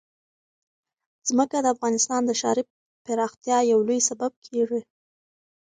ځمکه د افغانستان د ښاري پراختیا یو لوی سبب کېږي.